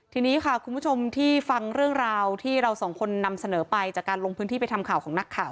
ทีนี้ค่ะคุณผู้ชมที่ฟังเรื่องราวที่เราสองคนนำเสนอไปจากการลงพื้นที่ไปทำข่าวของนักข่าว